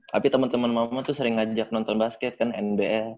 tapi temen temen mama tuh sering ngajak nonton basket kan nba